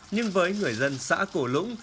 nhưng với người dân xã cổ lũng